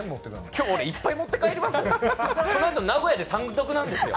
今日、俺いっぱい持って帰りますよ。